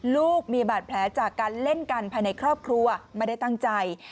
ลูกมีบาดแผลจากการเล่นกันภายในครอบครัวไม่ได้ตั้งใจ